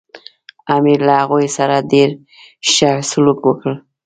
امیر له هغوی سره ډېر ښه سلوک وکړ.